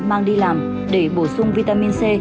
mang đi làm để bổ sung vitamin c